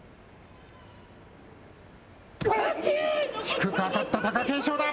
低く当たった貴景勝だ。